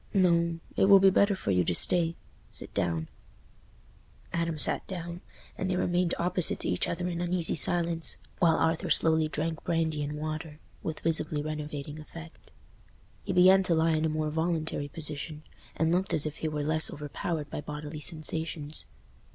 "No: it will be better for you to stay—sit down." Adam sat down, and they remained opposite to each other in uneasy silence, while Arthur slowly drank brandy and water, with visibly renovating effect. He began to lie in a more voluntary position, and looked as if he were less overpowered by bodily sensations.